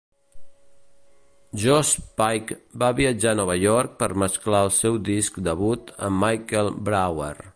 Josh Pyke va viatjar a Nova York per mesclar el seu disc debut amb Michael Brauer.